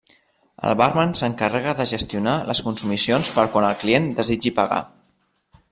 El bàrman s'encarrega de gestionar les consumicions per quan el client desitgi pagar.